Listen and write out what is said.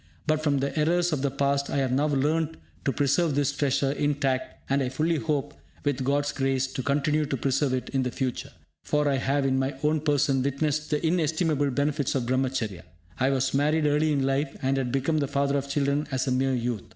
But from the errors of the past I have now learnt to preserve this treasure in tact, and I fully hope, with God's grace, to continue to preserve it in the future; for I have in my own person, witnessed the inestimable benefits of Brahmacharya. I was married early in life, and had become the father of children as a mere youth.